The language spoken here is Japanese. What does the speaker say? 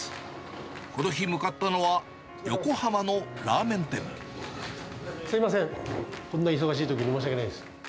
この日向かったのは、横浜のラーすみません、こんな忙しいときに申し訳ないです。